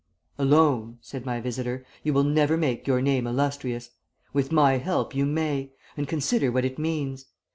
"'Alone,' said my visitor, 'you will never make your name illustrious. With my help you may and consider what it means.